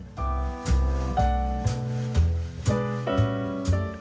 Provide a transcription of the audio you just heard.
ขอบคุณครับ